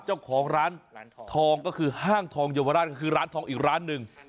เจ้าของร้านทองก็คือห้างทองเยาวราชก็คือร้านทองอีกร้านหนึ่ง